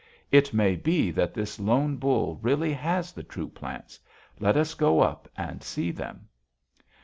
It may be that this Lone Bull really has the true plants: let us go up and see them.'